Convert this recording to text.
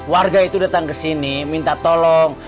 warga itu datang kesini minta tolong